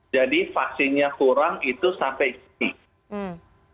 jadi vaksinnya kurang itu sampai ini